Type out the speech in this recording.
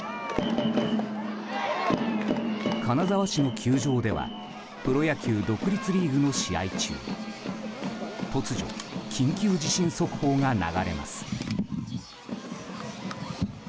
金沢市の球場ではプロ野球独立リーグの試合中突如、緊急地震速報が流れます。